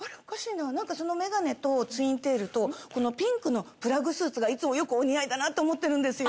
なんかそのメガネとツインテールとこのピンクのプラグスーツがいつもよくお似合いだなと思ってるんですよ。